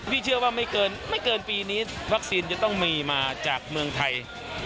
เชื่อว่าไม่เกินปีนี้วัคซีนจะต้องมีมาจากเมืองไทย